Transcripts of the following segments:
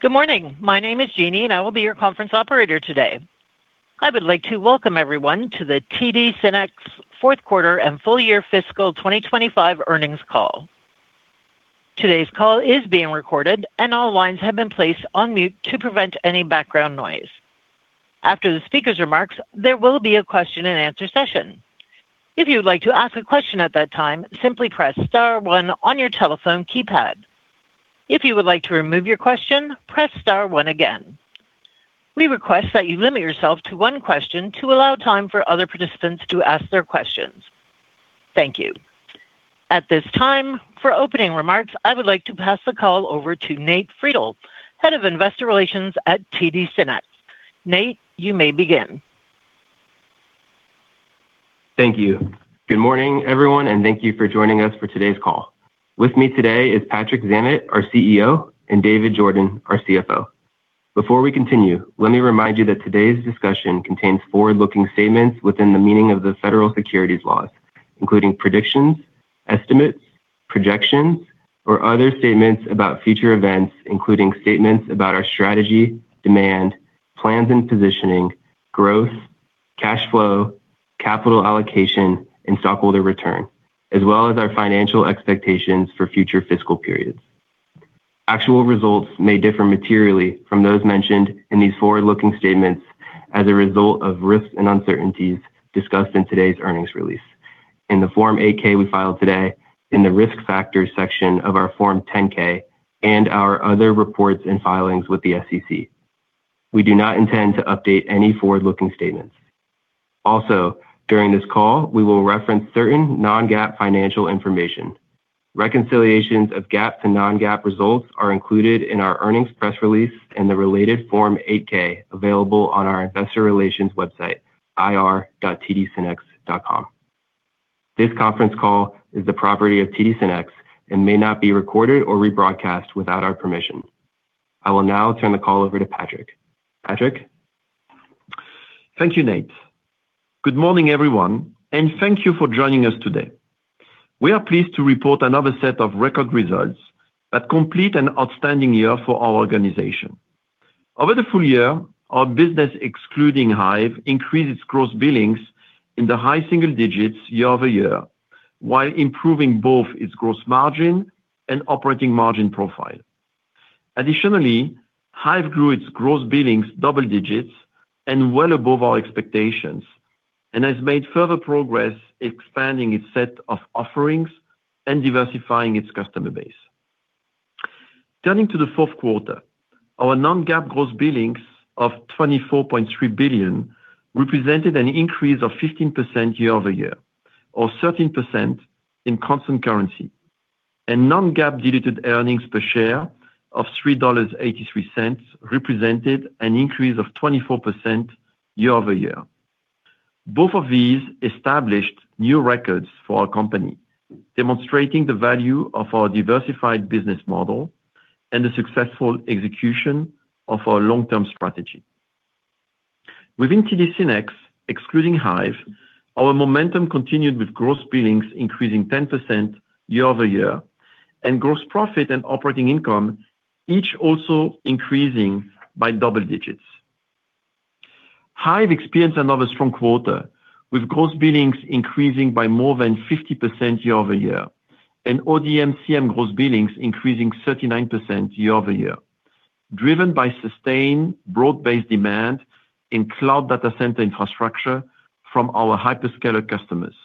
Good morning. My name is Jeannie, and I will be your conference operator today. I would like to welcome everyone to the TD SYNNEX fourth quarter and full year fiscal 2025 earnings call. Today's call is being recorded, and all lines have been placed on mute to prevent any background noise. After the speaker's remarks, there will be a question-and-answer session. If you would like to ask a question at that time, simply press star one on your telephone keypad. If you would like to remove your question, press star one again. We request that you limit yourself to one question to allow time for other participants to ask their questions. Thank you. At this time, for opening remarks, I would like to pass the call over to Nate Friedel, Head of Investor Relations at TD SYNNEX. Nate, you may begin. Thank you. Good morning, everyone, and thank you for joining us for today's call. With me today is Patrick Zammit, our CEO, and David Jordan, our CFO. Before we continue, let me remind you that today's discussion contains forward-looking statements within the meaning of the federal securities laws, including predictions, estimates, projections, or other statements about future events, including statements about our strategy, demand, plans and positioning, growth, cash flow, capital allocation, and stockholder return, as well as our financial expectations for future fiscal periods. Actual results may differ materially from those mentioned in these forward-looking statements as a result of risks and uncertainties discussed in today's earnings release, in the Form 8-K we filed today, in the risk factors section of our Form 10-K, and our other reports and filings with the SEC. We do not intend to update any forward-looking statements. Also, during this call, we will reference certain non-GAAP financial information. Reconciliations of GAAP to non-GAAP results are included in our earnings press release and the related Form 8-K available on our investor relations website, ir.tdsynnex.com. This conference call is the property of TD SYNNEX and may not be recorded or rebroadcast without our permission. I will now turn the call over to Patrick. Patrick. Thank you, Nate. Good morning, everyone, and thank you for joining us today. We are pleased to report another set of record results that complete an outstanding year for our organization. Over the full year, our business, excluding Hyve, increased its gross billings in the high single digits year over year, while improving both its gross margin and operating margin profile. Additionally, Hyve grew its gross billings double digits and well above our expectations, and has made further progress expanding its set of offerings and diversifying its customer base. Turning to the fourth quarter, our non-GAAP gross billings of $24.3 billion represented an increase of 15% year over year, or 13% in constant currency, and non-GAAP diluted earnings per share of $3.83 represented an increase of 24% year over year. Both of these established new records for our company, demonstrating the value of our diversified business model and the successful execution of our long-term strategy. Within TD SYNNEX, excluding Hyve, our momentum continued with gross billings increasing 10% year over year, and gross profit and operating income each also increasing by double digits. Hyve experienced another strong quarter, with gross billings increasing by more than 50% year over year, and ODM/CM gross billings increasing 39% year over year, driven by sustained broad-based demand in cloud data center infrastructure from our hyperscaler customers.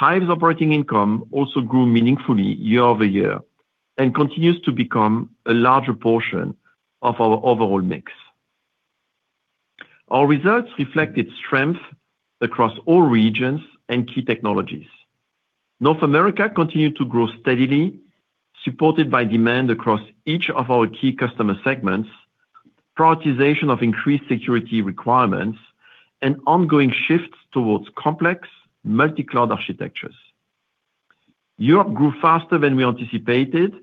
Hyve's operating income also grew meaningfully year over year and continues to become a larger portion of our overall mix. Our results reflect its strength across all regions and key technologies. North America continued to grow steadily, supported by demand across each of our key customer segments, prioritization of increased security requirements, and ongoing shifts towards complex multi-cloud architectures. Europe grew faster than we anticipated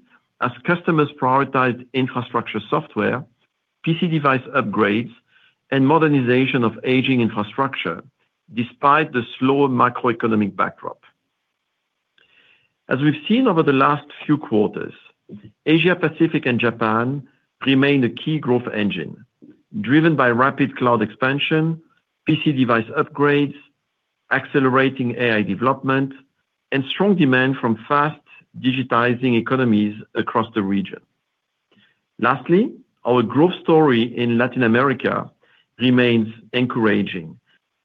as customers prioritized infrastructure software, PC device upgrades, and modernization of aging infrastructure despite the slow macroeconomic backdrop. As we've seen over the last few quarters, Asia-Pacific and Japan remain the key growth engine, driven by rapid cloud expansion, PC device upgrades, accelerating AI development, and strong demand from fast digitizing economies across the region. Lastly, our growth story in Latin America remains encouraging,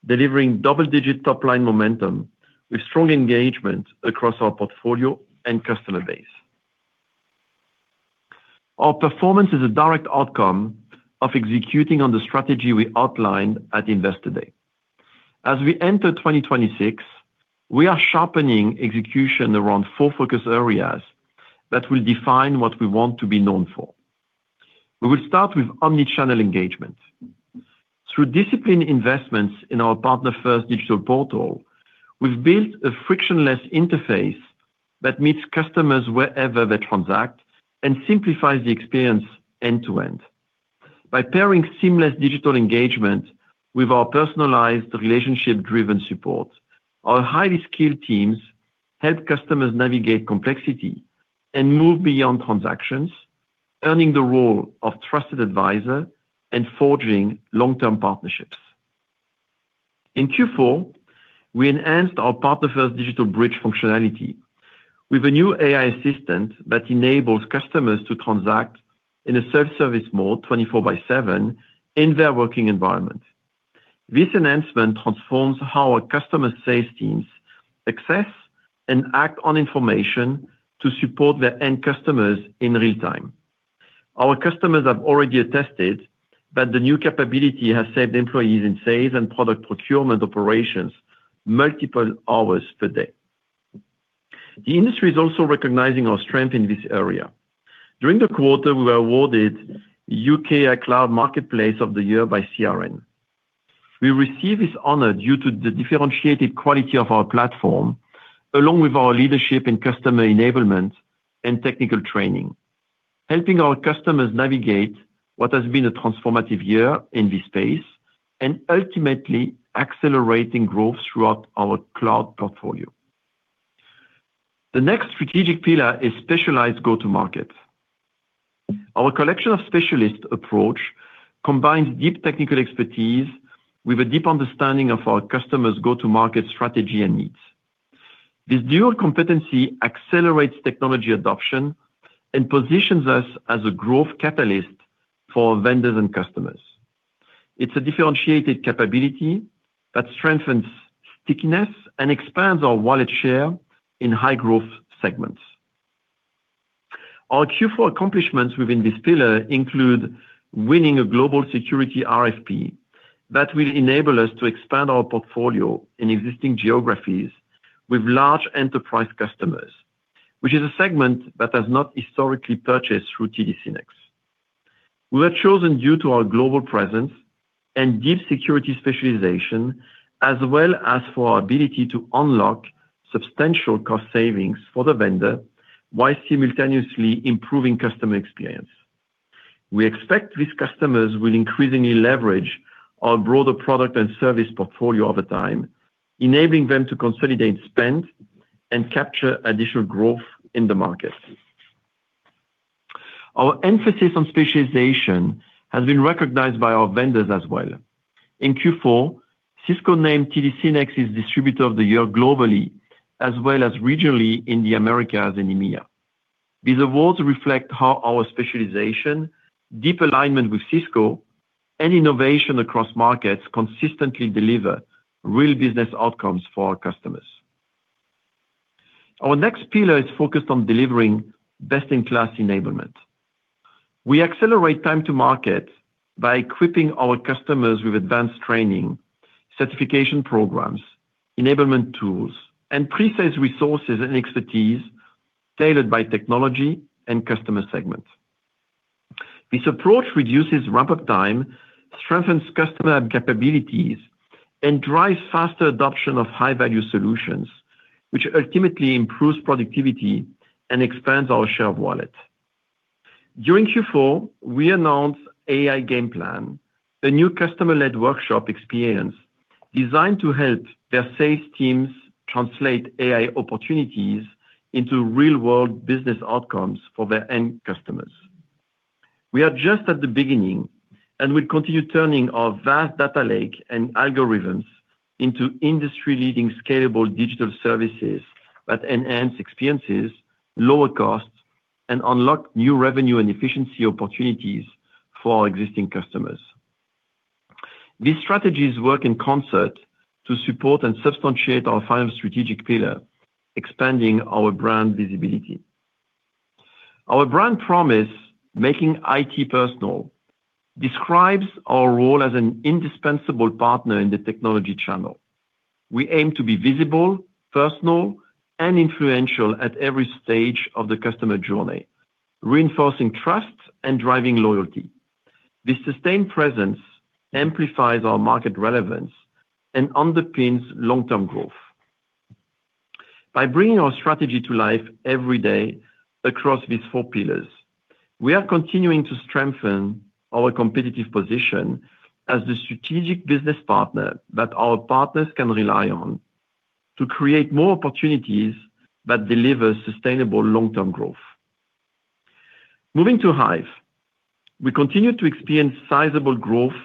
delivering double-digit top-line momentum with strong engagement across our portfolio and customer base. Our performance is a direct outcome of executing on the strategy we outlined at Investor Day. As we enter 2026, we are sharpening execution around four focus areas that will define what we want to be known for. We will start with omnichannel engagement. Through disciplined investments in our Partner-First Digital Bridge, we've built a frictionless interface that meets customers wherever they transact and simplifies the experience end-to-end. By pairing seamless digital engagement with our personalized relationship-driven support, our highly skilled teams help customers navigate complexity and move beyond transactions, earning the role of trusted advisor and forging long-term partnerships. In Q4, we enhanced our Partner-First Digital Bridge functionality with a new AI assistant that enables customers to transact in a self-service mode 24/7 in their working environment. This enhancement transforms how our customer sales teams access and act on information to support their end customers in real time. Our customers have already attested that the new capability has saved employees in sales and product procurement operations multiple hours per day. The industry is also recognizing our strength in this area. During the quarter, we were awarded UKI Cloud Marketplace of the Year by CRN. We received this honor due to the differentiated quality of our platform, along with our leadership in customer enablement and technical training, helping our customers navigate what has been a transformative year in this space and ultimately accelerating growth throughout our cloud portfolio. The next strategic pillar is specialized go-to-market. Our collection of specialists approach combines deep technical expertise with a deep understanding of our customers' go-to-market strategy and needs. This dual competency accelerates technology adoption and positions us as a growth catalyst for vendors and customers. It's a differentiated capability that strengthens stickiness and expands our wallet share in high-growth segments. Our Q4 accomplishments within this pillar include winning a global security RFP that will enable us to expand our portfolio in existing geographies with large enterprise customers, which is a segment that has not historically purchased through TD SYNNEX. We were chosen due to our global presence and deep security specialization, as well as for our ability to unlock substantial cost savings for the vendor while simultaneously improving customer experience. We expect these customers will increasingly leverage our broader product and service portfolio over time, enabling them to consolidate spend and capture additional growth in the market. Our emphasis on specialization has been recognized by our vendors as well. In Q4, Cisco named TD SYNNEX Distributor of the Year globally, as well as regionally in the Americas and EMEA. These awards reflect how our specialization, deep alignment with Cisco, and innovation across markets consistently deliver real business outcomes for our customers. Our next pillar is focused on delivering best-in-class enablement. We accelerate time to market by equipping our customers with advanced training, certification programs, enablement tools, and pre-sales resources and expertise tailored by technology and customer segment. This approach reduces ramp-up time, strengthens customer capabilities, and drives faster adoption of high-value solutions, which ultimately improves productivity and expands our share of wallet. During Q4, we announced AI Game Plan, a new customer-led workshop experience designed to help their sales teams translate AI opportunities into real-world business outcomes for their end customers. We are just at the beginning and will continue turning our vast data lake and algorithms into industry-leading scalable digital services that enhance experiences, lower costs, and unlock new revenue and efficiency opportunities for our existing customers. These strategies work in concert to support and substantiate our final strategic pillar, expanding our brand visibility. Our brand promise, Making IT Personal, describes our role as an indispensable partner in the technology channel. We aim to be visible, personal, and influential at every stage of the customer journey, reinforcing trust and driving loyalty. This sustained presence amplifies our market relevance and underpins long-term growth. By bringing our strategy to life every day across these four pillars, we are continuing to strengthen our competitive position as the strategic business partner that our partners can rely on to create more opportunities that deliver sustainable long-term growth. Moving to Hyve, we continue to experience sizable growth,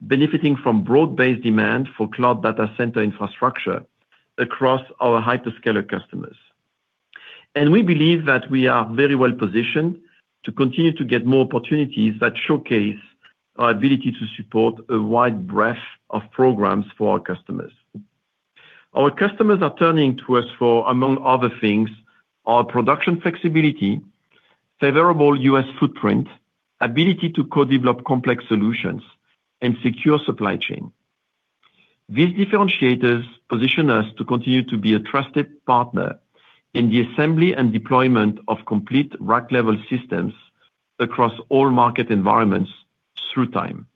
benefiting from broad-based demand for cloud data center infrastructure across our hyperscaler customers. And we believe that we are very well positioned to continue to get more opportunities that showcase our ability to support a wide breadth of programs for our customers. Our customers are turning to us for, among other things, our production flexibility, favorable U.S. footprint, ability to co-develop complex solutions, and secure supply chain. These differentiators position us to continue to be a trusted partner in the assembly and deployment of complete rack-level systems across all market environments through time.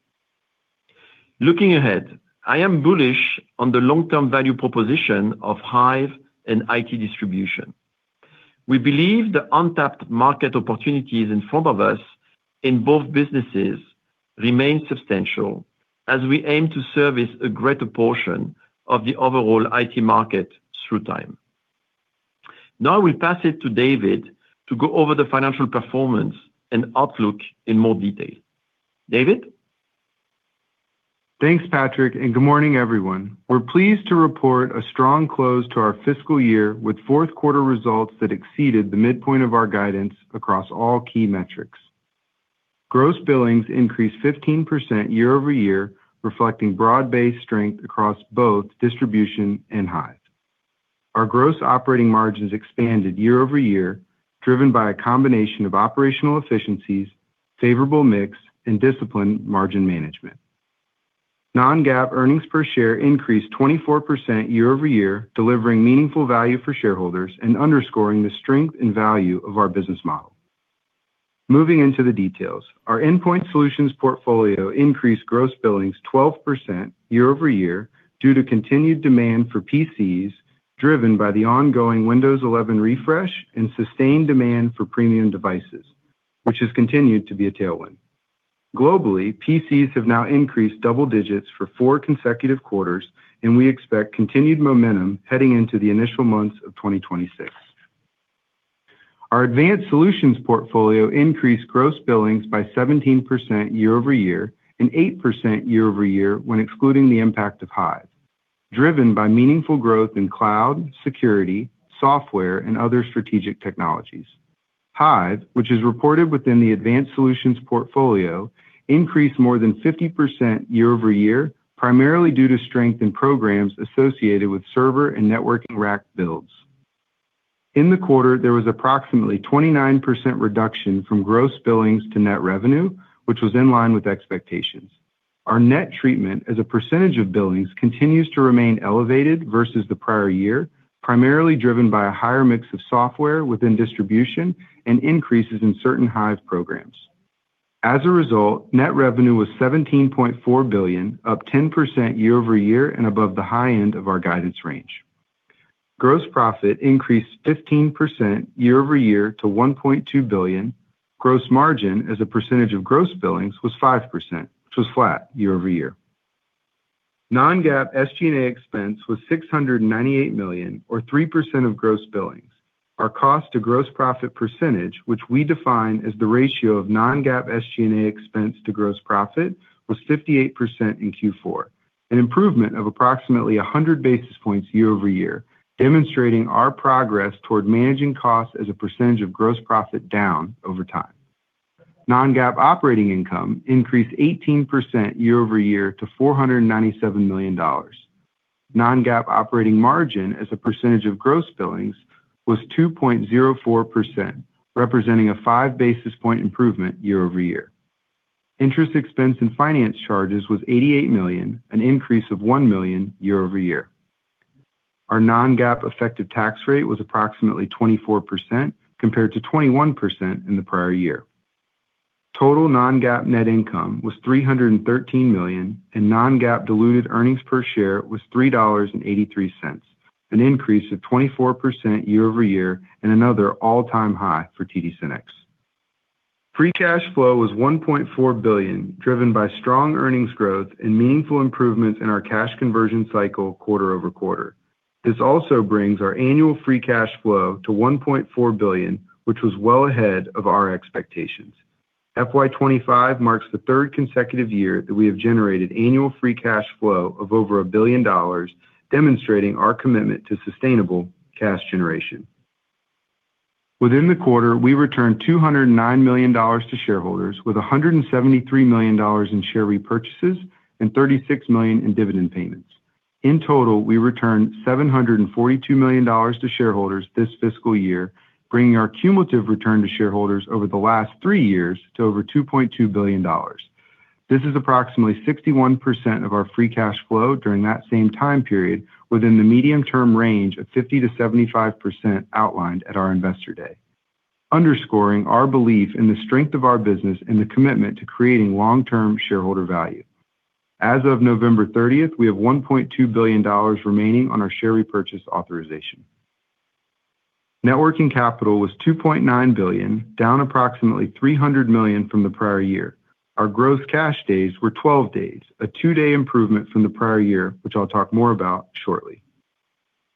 Looking ahead, I am bullish on the long-term value proposition of Hyve and IT distribution. We believe the untapped market opportunities in front of us in both businesses remain substantial as we aim to service a greater portion of the overall IT market through time. Now I will pass it to David to go over the financial performance and outlook in more detail. David? Thanks, Patrick, and good morning, everyone. We're pleased to report a strong close to our fiscal year with fourth-quarter results that exceeded the midpoint of our guidance across all key metrics. Gross billings increased 15% year over year, reflecting broad-based strength across both distribution and Hyve. Our gross and operating margins expanded year over year, driven by a combination of operational efficiencies, favorable mix, and disciplined margin management. Non-GAAP earnings per share increased 24% year over year, delivering meaningful value for shareholders and underscoring the strength and value of our business model. Moving into the details, our Endpoint Solutions portfolio increased gross billings 12% year over year due to continued demand for PCs driven by the ongoing Windows 11 refresh and sustained demand for premium devices, which has continued to be a tailwind. Globally, PCs have now increased double digits for four consecutive quarters, and we expect continued momentum heading into the initial months of 2026. Our Advanced Solutions portfolio increased gross billings by 17% year over year and 8% year over year when excluding the impact of Hyve, driven by meaningful growth in cloud, security, software, and other strategic technologies. Hyve, which is reported within the Advanced Solutions portfolio, increased more than 50% year over year, primarily due to strength in programs associated with server and Networking rack builds. In the quarter, there was approximately 29% reduction from gross billings to net revenue, which was in line with expectations. Our net treatment as a percentage of billings continues to remain elevated versus the prior year, primarily driven by a higher mix of software within distribution and increases in certain Hyve programs. As a result, net revenue was $17.4 billion, up 10% year over year and above the high end of our guidance range. Gross profit increased 15% year over year to $1.2 billion. Gross margin as a percentage of gross billings was 5%, which was flat year over year. Non-GAAP SG&A expense was $698 million, or 3% of gross billings. Our cost-to-gross profit percentage, which we define as the ratio of non-GAAP SG&A expense to gross profit, was 58% in Q4, an improvement of approximately 100 basis points year over year, demonstrating our progress toward managing costs as a percentage of gross profit down over time. Non-GAAP operating income increased 18% year over year to $497 million. Non-GAAP operating margin as a percentage of gross billings was 2.04%, representing a 5 basis point improvement year over year. Interest expense and finance charges was $88 million, an increase of $1 million year over year. Our non-GAAP effective tax rate was approximately 24% compared to 21% in the prior year. Total non-GAAP net income was $313 million, and non-GAAP diluted earnings per share was $3.83, an increase of 24% year over year and another all-time high for TD SYNNEX. Free cash flow was $1.4 billion, driven by strong earnings growth and meaningful improvements in our cash conversion cycle quarter over quarter. This also brings our annual free cash flow to $1.4 billion, which was well ahead of our expectations. FY25 marks the third consecutive year that we have generated annual free cash flow of over $1 billion, demonstrating our commitment to sustainable cash generation. Within the quarter, we returned $209 million to shareholders, with $173 million in share repurchases and $36 million in dividend payments. In total, we returned $742 million to shareholders this fiscal year, bringing our cumulative return to shareholders over the last three years to over $2.2 billion. This is approximately 61% of our free cash flow during that same time period, within the medium-term range of 50% to 75% outlined at our investor day, underscoring our belief in the strength of our business and the commitment to creating long-term shareholder value. As of November 30th, we have $1.2 billion remaining on our share repurchase authorization. Net working capital was $2.9 billion, down approximately $300 million from the prior year. Our gross cash days were 12 days, a two-day improvement from the prior year, which I'll talk more about shortly.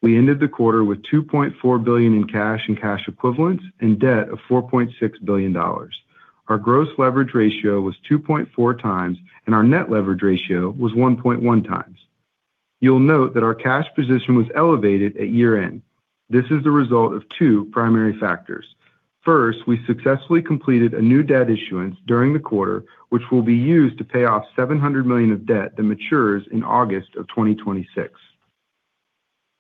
We ended the quarter with $2.4 billion in cash and cash equivalents and debt of $4.6 billion. Our gross leverage ratio was 2.4 times, and our net leverage ratio was 1.1 times. You'll note that our cash position was elevated at year-end. This is the result of two primary factors. First, we successfully completed a new debt issuance during the quarter, which will be used to pay off $700 million of debt that matures in August of 2026.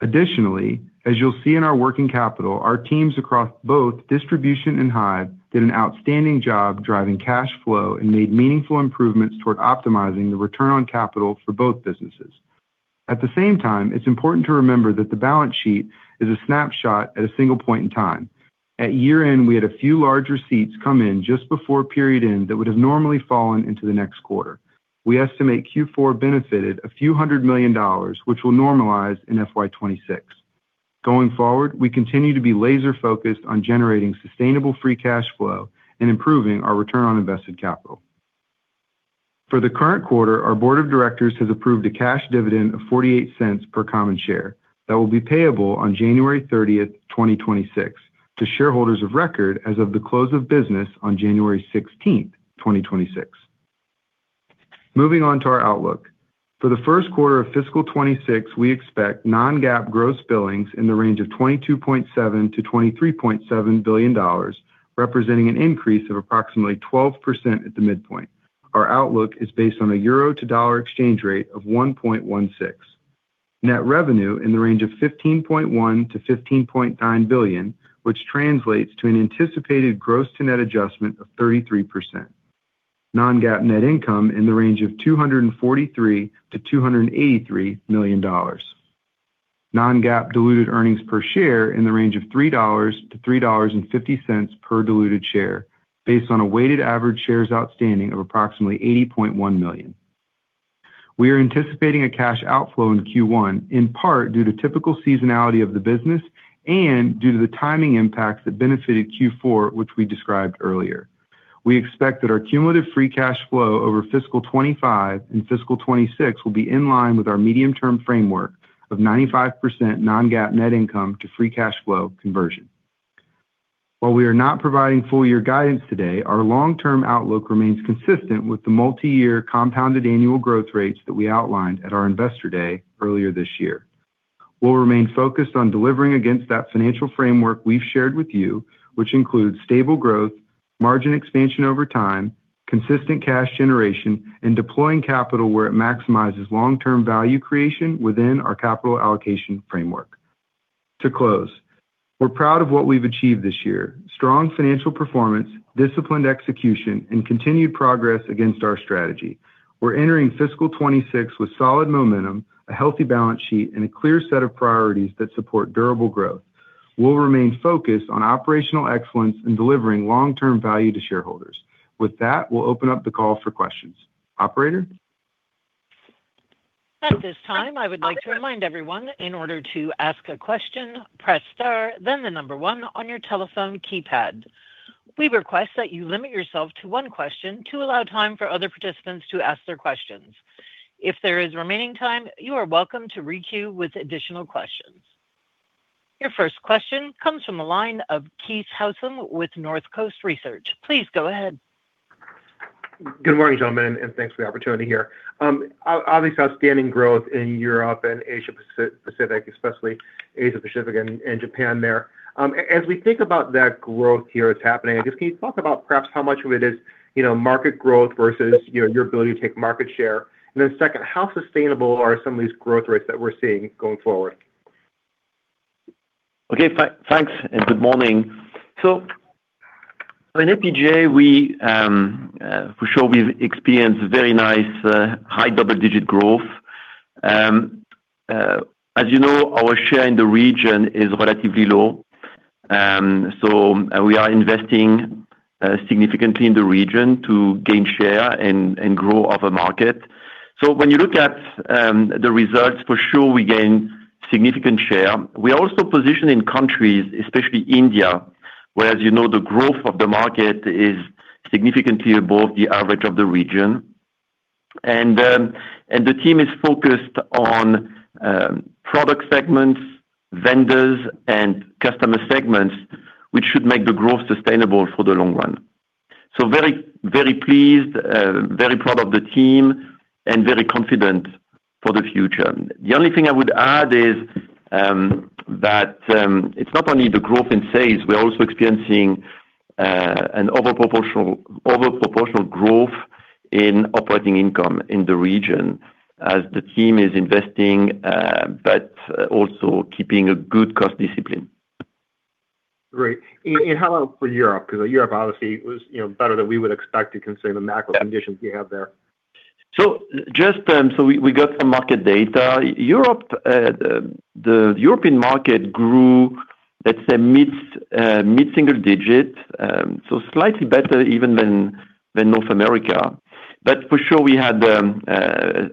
Additionally, as you'll see in our working capital, our teams across both distribution and Hyve did an outstanding job driving cash flow and made meaningful improvements toward optimizing the return on capital for both businesses. At the same time, it's important to remember that the balance sheet is a snapshot at a single point in time. At year-end, we had a few larger receipts come in just before period end that would have normally fallen into the next quarter. We estimate Q4 benefited a few hundred million dollars, which will normalize in FY26. Going forward, we continue to be laser-focused on generating sustainable free cash flow and improving our return on invested capital. For the current quarter, our board of directors has approved a cash dividend of $0.48 per common share that will be payable on January 30th, 2026, to shareholders of record as of the close of business on January 16th, 2026. Moving on to our outlook. For the first quarter of fiscal 26, we expect non-GAAP gross billings in the range of $22.7-$23.7 billion, representing an increase of approximately 12% at the midpoint. Our outlook is based on a euro to dollar exchange rate of 1.16. Net revenue in the range of $15.1-$15.9 billion, which translates to an anticipated gross-to-net adjustment of 33%. Non-GAAP net income in the range of $243-$283 million. Non-GAAP diluted earnings per share in the range of $3-$3.50 per diluted share, based on a weighted average shares outstanding of approximately 80.1 million. We are anticipating a cash outflow in Q1, in part due to typical seasonality of the business and due to the timing impacts that benefited Q4, which we described earlier. We expect that our cumulative free cash flow over fiscal 2025 and fiscal 2026 will be in line with our medium-term framework of 95% non-GAAP net income to free cash flow conversion. While we are not providing full-year guidance today, our long-term outlook remains consistent with the multi-year compounded annual growth rates that we outlined at our investor day earlier this year. We'll remain focused on delivering against that financial framework we've shared with you, which includes stable growth, margin expansion over time, consistent cash generation, and deploying capital where it maximizes long-term value creation within our capital allocation framework. To close, we're proud of what we've achieved this year: strong financial performance, disciplined execution, and continued progress against our strategy. We're entering fiscal 2026 with solid momentum, a healthy balance sheet, and a clear set of priorities that support durable growth. We'll remain focused on operational excellence and delivering long-term value to shareholders. With that, we'll open up the call for questions. Operator? At this time, I would like to remind everyone, in order to ask a question, press star, then the number one on your telephone keypad. We request that you limit yourself to one question to allow time for other participants to ask their questions. If there is remaining time, you are welcome to requeue with additional questions. Your first question comes from the line of Keith Housum with North Coast Research. Please go ahead. Good morning, gentlemen, and thanks for the opportunity here. Obvious outstanding growth in Europe and Asia-Pacific, especially Asia-Pacific and Japan there. As we think about that growth here that's happening, I guess can you talk about perhaps how much of it is market growth versus your ability to take market share? And then second, how sustainable are some of these growth rates that we're seeing going forward? Okay, thanks, and good morning. So at APJ, for sure, we've experienced very nice high double-digit growth. As you know, our share in the region is relatively low. So we are investing significantly in the region to gain share and grow our market. So when you look at the results, for sure, we gain significant share. We are also positioned in countries, especially India, where, as you know, the growth of the market is significantly above the average of the region. And the team is focused on product segments, vendors, and customer segments, which should make the growth sustainable for the long run. So very, very pleased, very proud of the team, and very confident for the future. The only thing I would add is that it's not only the growth in sales, we're also experiencing an overproportional growth in operating income in the region as the team is investing but also keeping a good cost discipline. Great. And how about for Europe? Because Europe obviously was better than we would expect to consider the macro conditions we have there. We got some market data. The European market grew, let's say, mid-single digit, so slightly better even than North America. For sure, we had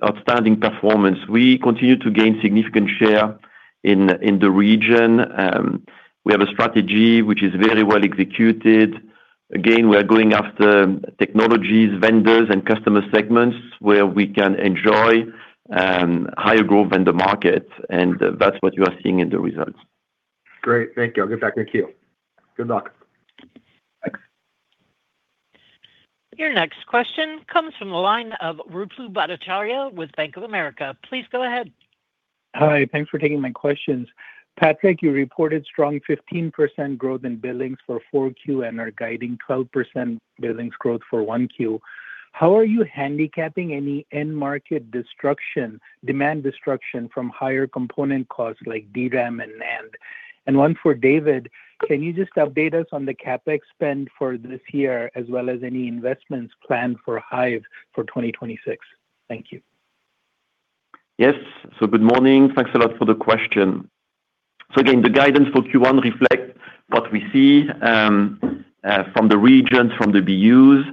outstanding performance. We continue to gain significant share in the region. We have a strategy which is very well executed. Again, we're going after technologies, vendors, and customer segments where we can enjoy higher growth than the market. That's what you are seeing in the results. Great. Thank you. I'll get back to you. Good luck. Your next question comes from the line of Ruplu Bhattacharya with Bank of America. Please go ahead. Hi, thanks for taking my questions. Patrick, you reported strong 15% growth in billings for Q4 and are guiding 12% billings growth for Q1. How are you handicapping any end-market destruction, demand destruction from higher component costs like DRAM and NAND? And one for David, can you just update us on the CapEx spend for this year as well as any investments planned for Hyve for 2026? Thank you. Yes. So good morning. Thanks a lot for the question. So again, the guidance for Q1 reflects what we see from the regions, from the BUs.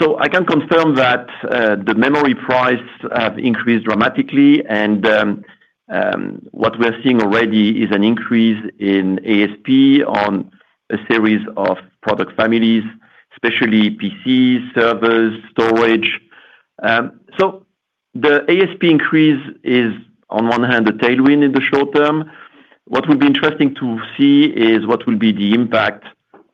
So I can confirm that the memory prices have increased dramatically. And what we are seeing already is an increase in ASP on a series of product families, especially PCs, servers, storage. So the ASP increase is, on one hand, a tailwind in the short term. What will be interesting to see is what will be the impact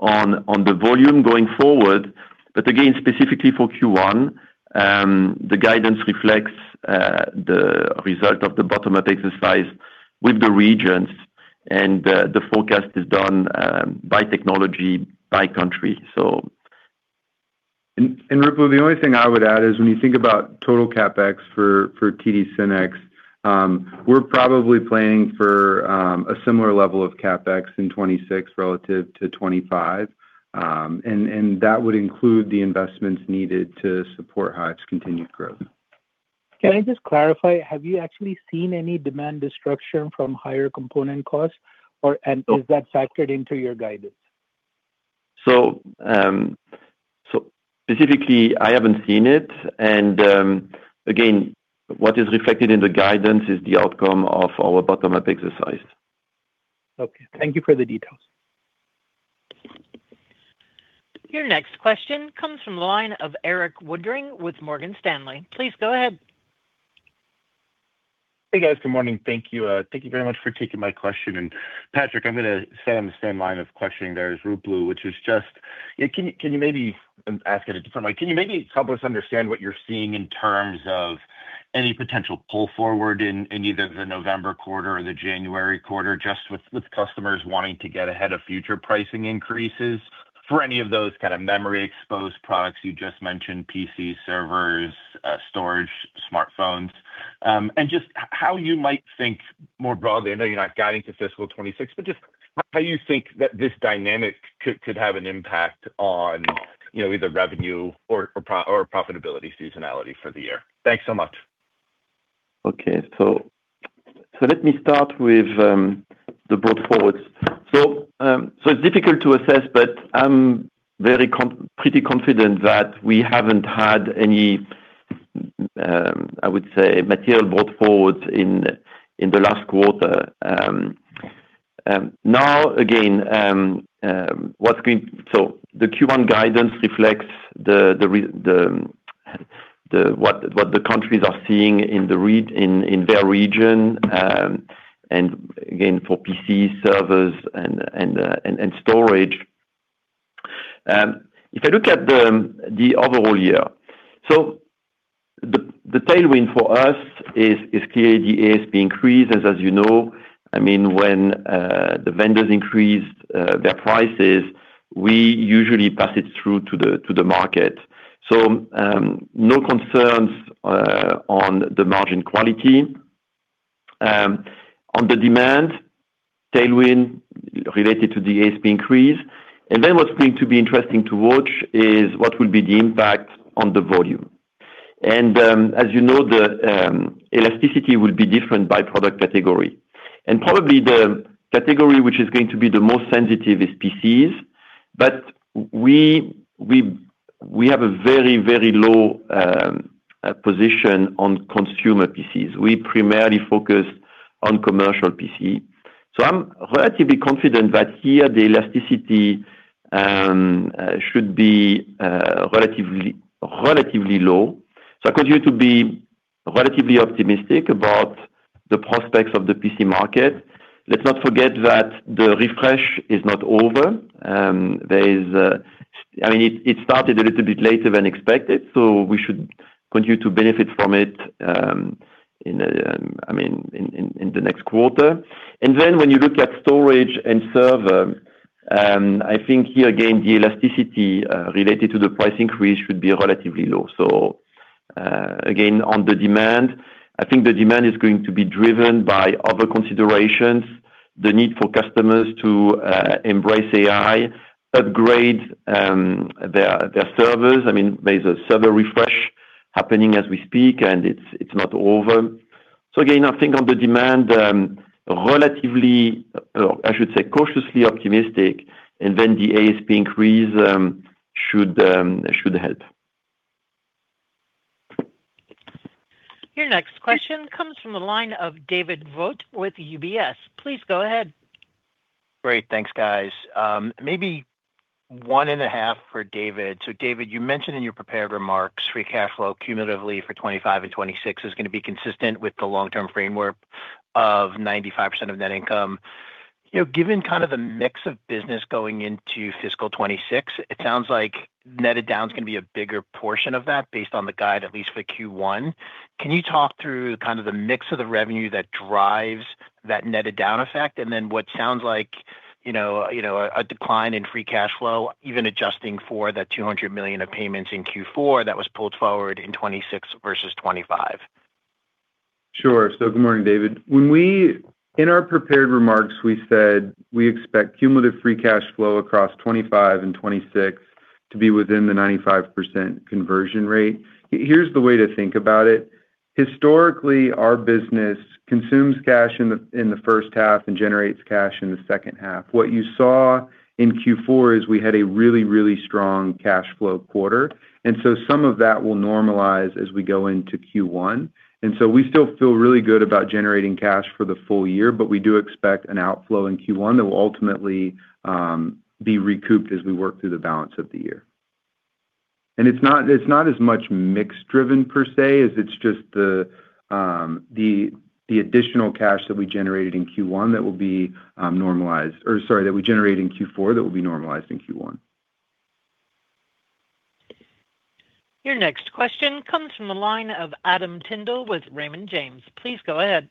on the volume going forward. But again, specifically for Q1, the guidance reflects the result of the bottom-up exercise with the regions. And the forecast is done by technology, by country. So. Ruplu, the only thing I would add is when you think about total CapEx for TD SYNNEX, we're probably planning for a similar level of CapEx in 2026 relative to 2025. And that would include the investments needed to support Hyve's continued growth. Can I just clarify? Have you actually seen any demand destruction from higher component costs? And is that factored into your guidance? So specifically, I haven't seen it. And again, what is reflected in the guidance is the outcome of our bottom-up exercise. Okay. Thank you for the details. Your next question comes from the line of Erik Woodring with Morgan Stanley. Please go ahead. Hey, guys. Good morning. Thank you. Thank you very much for taking my question. And Patrick, I'm going to stay on the same line of questioning there as Ruplu, which is just, can you maybe ask it a different way? Can you maybe help us understand what you're seeing in terms of any potential pull forward in either the November quarter or the January quarter, just with customers wanting to get ahead of future pricing increases for any of those kind of memory-exposed products you just mentioned, PCs, servers, storage, smartphones, and just how you might think more broadly? I know you're not guiding to fiscal 2026, but just how you think that this dynamic could have an impact on either revenue or profitability seasonality for the year. Thanks so much. Okay, so let me start with the pull-forwards. It's difficult to assess, but I'm pretty confident that we haven't had any, I would say, material pull-forwards in the last quarter. Now, again, what's going on, so the Q1 guidance reflects what the countries are seeing in their region, and again, for PCs, servers, and storage. If I look at the overall year, the tailwind for us is clearly the ASP increase. And as you know, I mean, when the vendors increase their prices, we usually pass it through to the market, so no concerns on the margin quality. On the demand tailwind related to the ASP increase, then what's going to be interesting to watch is what will be the impact on the volume, and as you know, the elasticity will be different by product category. Probably the category which is going to be the most sensitive is PCs. We have a very, very low position on consumer PCs. We primarily focus on commercial PC. I'm relatively confident that here the elasticity should be relatively low. I continue to be relatively optimistic about the prospects of the PC market. Let's not forget that the refresh is not over. I mean, it started a little bit later than expected, so we should continue to benefit from it, I mean, in the next quarter. When you look at storage and server, I think here, again, the elasticity related to the price increase should be relatively low. Again, on the demand, I think the demand is going to be driven by other considerations, the need for customers to embrace AI, upgrade their servers. I mean, there's a server refresh happening as we speak, and it's not over, so again, I think on the demand, relatively, I should say, cautiously optimistic, and then the ASP increase should help. Your next question comes from the line of David Vogt with UBS. Please go ahead. Great. Thanks, guys. Maybe one and a half for David. So David, you mentioned in your prepared remarks, free cash flow cumulatively for 2025 and 2026 is going to be consistent with the long-term framework of 95% of net income. Given kind of the mix of business going into fiscal 2026, it sounds like netted down is going to be a bigger portion of that based on the guide, at least for Q1. Can you talk through kind of the mix of the revenue that drives that netted down effect and then what sounds like a decline in free cash flow, even adjusting for that $200 million of payments in Q4 that was pulled forward in 2026 versus 2025? Sure, so good morning, David. In our prepared remarks, we said we expect cumulative free cash flow across 2025 and 2026 to be within the 95% conversion rate. Here's the way to think about it. Historically, our business consumes cash in the first half and generates cash in the second half. What you saw in Q4 is we had a really, really strong cash flow quarter, and so some of that will normalize as we go into Q1, and so we still feel really good about generating cash for the full year, but we do expect an outflow in Q1 that will ultimately be recouped as we work through the balance of the year. And it's not as much mix driven, per se, as it's just the additional cash that we generated in Q1 that will be normalized or sorry, that we generated in Q4 that will be normalized in Q1. Your next question comes from the line of Adam Tindle with Raymond James. Please go ahead.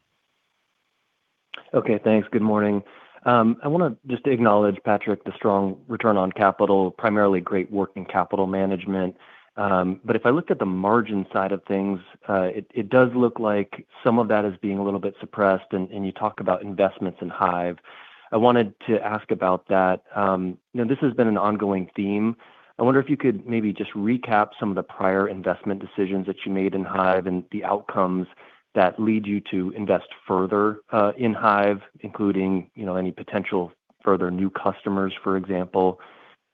Okay. Thanks. Good morning. I want to just acknowledge, Patrick, the strong return on capital, primarily great working capital management. But if I look at the margin side of things, it does look like some of that is being a little bit suppressed. And you talk about investments in Hyve. I wanted to ask about that. This has been an ongoing theme. I wonder if you could maybe just recap some of the prior investment decisions that you made in Hyve and the outcomes that lead you to invest further in Hyve, including any potential further new customers, for example.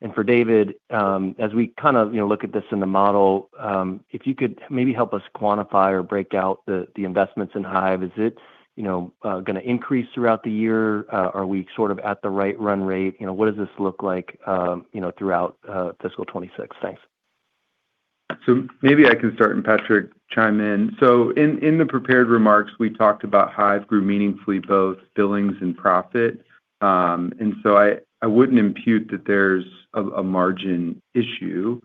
And for David, as we kind of look at this in the model, if you could maybe help us quantify or break out the investments in Hyve, is it going to increase throughout the year? Are we sort of at the right run rate? What does this look like throughout fiscal 2026? Thanks. So maybe I can start, and Patrick, chime in. So in the prepared remarks, we talked about Hyve grew meaningfully both billings and profit. And so I wouldn't impute that there's a margin issue.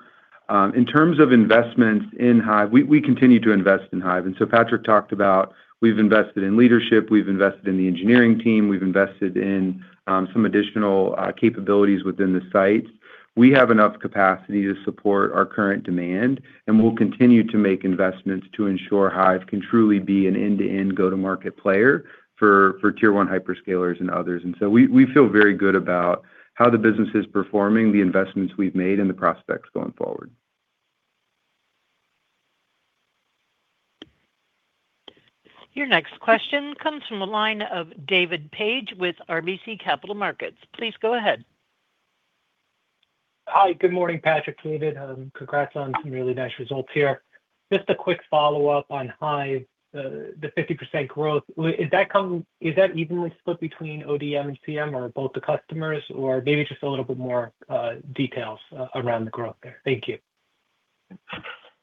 In terms of investments in Hyve, we continue to invest in Hyve. And so Patrick talked about we've invested in leadership, we've invested in the engineering team, we've invested in some additional capabilities within the sites. We have enough capacity to support our current demand, and we'll continue to make investments to ensure Hyve can truly be an end-to-end go-to-market player for tier one hyperscalers and others. And so we feel very good about how the business is performing, the investments we've made, and the prospects going forward. Your next question comes from the line of David Paige with RBC Capital Markets. Please go ahead. Hi. Good morning, Patrick, David. Congrats on some really nice results here. Just a quick follow-up on Hyve, the 50% growth. Is that evenly split between ODM and CM or both the customers, or maybe just a little bit more details around the growth there? Thank you.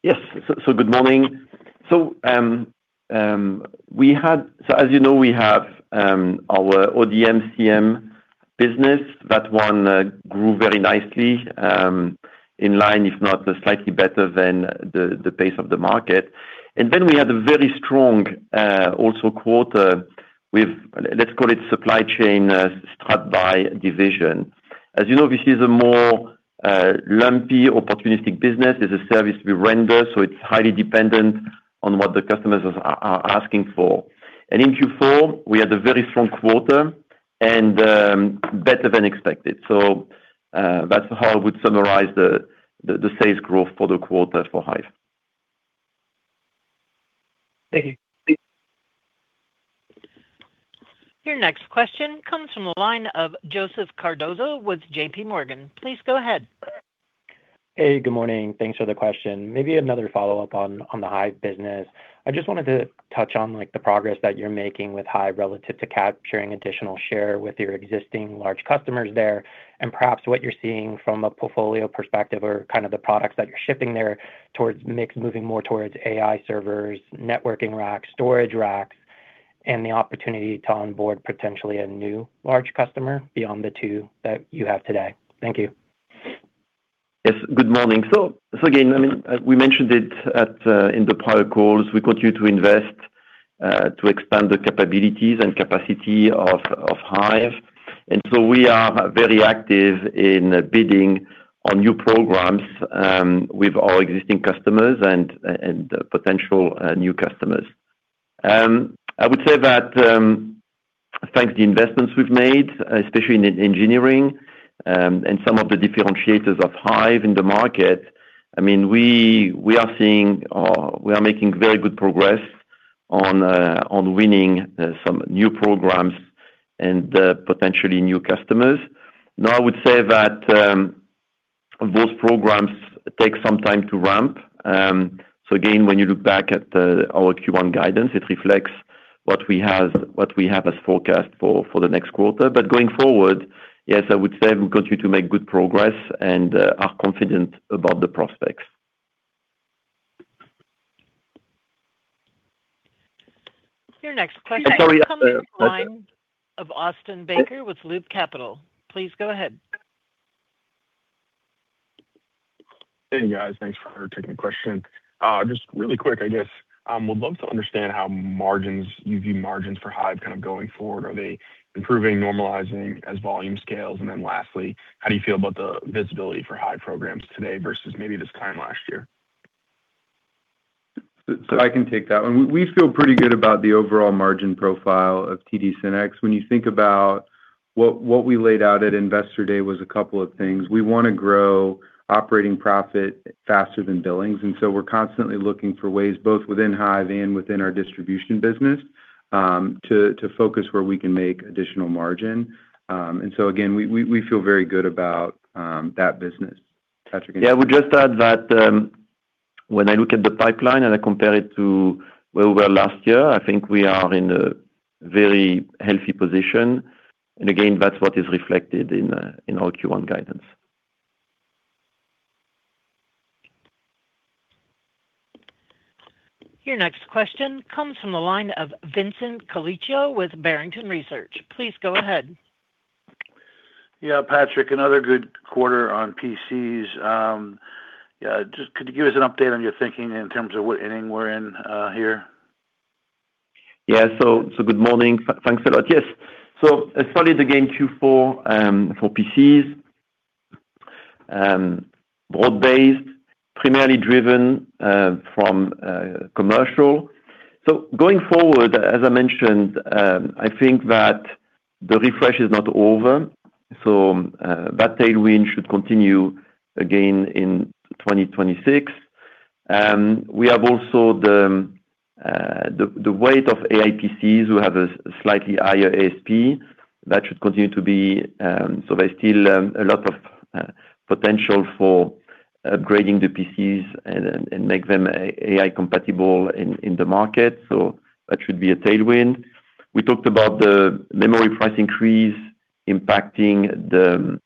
Yes. So good morning. So as you know, we have our ODM, CM business. That one grew very nicely in line, if not slightly better than the pace of the market. And then we had a very strong quarter also with, let's call it, supply chain services by division. As you know, this is a more lumpy opportunistic business. It's a service we render, so it's highly dependent on what the customers are asking for. And in Q4, we had a very strong quarter and better than expected. So that's how I would summarize the sales growth for the quarter for Hyve. Thank you. Your next question comes from the line of Joseph Cardoso with J.P. Morgan. Please go ahead. Hey, good morning. Thanks for the question. Maybe another follow-up on the Hyve business. I just wanted to touch on the progress that you're making with Hyve relative to capturing additional share with your existing large customers there and perhaps what you're seeing from a portfolio perspective or kind of the products that you're shipping there towards mix moving more towards AI servers, networking racks, storage racks, and the opportunity to onboard potentially a new large customer beyond the two that you have today. Thank you. Yes. Good morning. So again, I mean, we mentioned it in the prior calls. We continue to invest to expand the capabilities and capacity of Hyve. And so we are very active in bidding on new programs with our existing customers and potential new customers. I would say that thanks to the investments we've made, especially in engineering and some of the differentiators of Hyve in the market, I mean, we are seeing we are making very good progress on winning some new programs and potentially new customers. Now, I would say that those programs take some time to ramp. So again, when you look back at our Q1 guidance, it reflects what we have as forecast for the next quarter. But going forward, yes, I would say we continue to make good progress and are confident about the prospects. Your next question comes from the line of Austen Baker with Loop Capital. Please go ahead. Hey, guys. Thanks for taking the question. Just really quick, I guess, would love to understand how you view margins for Hyve kind of going forward. Are they improving, normalizing as volume scales? And then lastly, how do you feel about the visibility for Hyve programs today versus maybe this time last year? So I can take that one. We feel pretty good about the overall margin profile of TD SYNNEX. When you think about what we laid out at investor day was a couple of things. We want to grow operating profit faster than billings. And so we're constantly looking for ways both within Hyve and within our distribution business to focus where we can make additional margin. And so again, we feel very good about that business. Patrick, anything? Yeah. I would just add that when I look at the pipeline and I compare it to where we were last year, I think we are in a very healthy position. And again, that's what is reflected in our Q1 guidance. Your next question comes from the line of Vincent Colicchio with Barrington Research. Please go ahead. Yeah, Patrick, another good quarter on PCs. Yeah. Just could you give us an update on your thinking in terms of what ending we're in here? Yeah. So good morning. Thanks a lot. Yes. So I stated again Q4 for PCs, broad-based, primarily driven by commercial. So going forward, as I mentioned, I think that the refresh is not over. So that tailwind should continue again in 2026. We have also the wave of AI PCs. We have a slightly higher ASP. That should continue to be. So there's still a lot of potential for upgrading the PCs and make them AI-compatible in the market. So that should be a tailwind. We talked about the memory price increase impacting the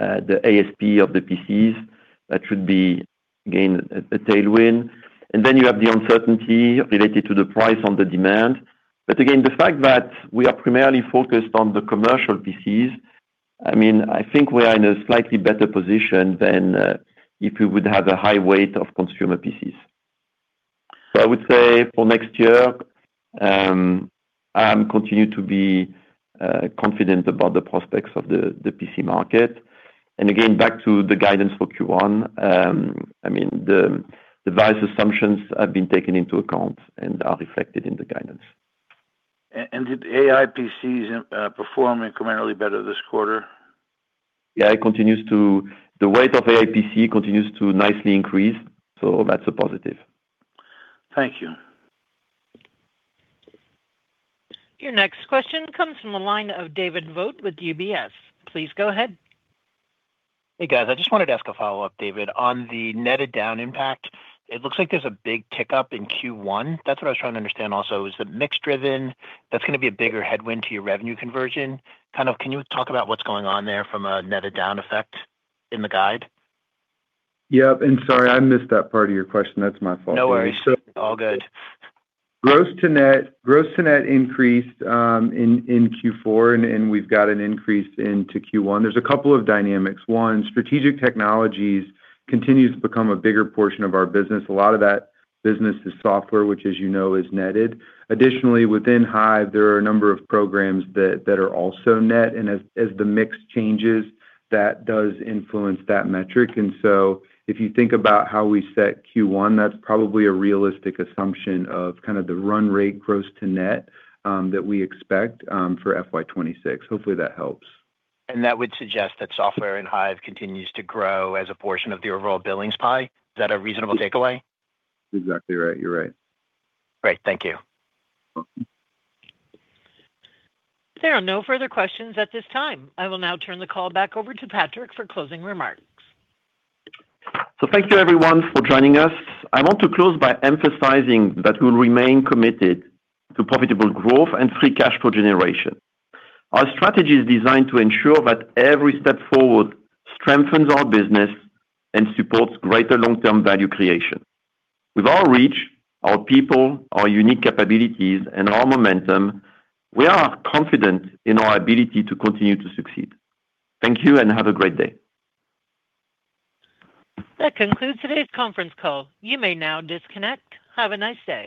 ASP of the PCs. That should be, again, a tailwind. And then you have the uncertainty related to the prices and the demand. But again, the fact that we are primarily focused on the commercial PCs, I mean, I think we are in a slightly better position than if we would have a high weight of consumer PCs. So I would say for next year, I'm continuing to be confident about the prospects of the PC market. And again, back to the guidance for Q1, I mean, the various assumptions have been taken into account and are reflected in the guidance. Did AI PCs perform incrementally better this quarter? Yeah. The weight of AI PC continues to nicely increase. So that's a positive. Thank you. Your next question comes from the line of David Vogt with UBS. Please go ahead. Hey, guys. I just wanted to ask a follow-up, David. On the netted down impact, it looks like there's a big tick up in Q1. That's what I was trying to understand also is the mix driven. That's going to be a bigger headwind to your revenue conversion. Kind of can you talk about what's going on there from a netted down effect in the guide? Yep. And sorry, I missed that part of your question. That's my fault. No worries. All good. Gross to net increased in Q4, and we've got an increase into Q1. There's a couple of dynamics. One, strategic technologies continue to become a bigger portion of our business. A lot of that business is software, which, as you know, is netted. Additionally, within Hyve, there are a number of programs that are also net. And as the mix changes, that does influence that metric. And so if you think about how we set Q1, that's probably a realistic assumption of kind of the run rate gross to net that we expect for FY26. Hopefully, that helps. And that would suggest that software in Hyve continues to grow as a portion of the overall billings pie. Is that a reasonable takeaway? Exactly right. You're right. Great. Thank you. There are no further questions at this time. I will now turn the call back over to Patrick for closing remarks. So thank you, everyone, for joining us. I want to close by emphasizing that we will remain committed to profitable growth and free cash flow generation. Our strategy is designed to ensure that every step forward strengthens our business and supports greater long-term value creation. With our reach, our people, our unique capabilities, and our momentum, we are confident in our ability to continue to succeed. Thank you and have a great day. That concludes today's conference call. You may now disconnect. Have a nice day.